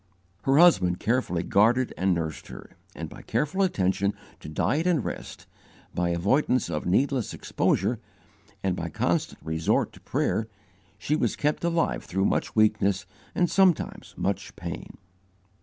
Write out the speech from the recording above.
Her husband carefully guarded and nursed her, and by careful attention to diet and rest, by avoidance of needless exposure, and by constant resort to prayer, she was kept alive through much weakness and sometimes much pain.